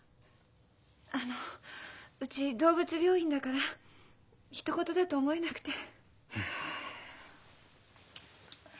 あのうち動物病院だからひと事だと思えなくて。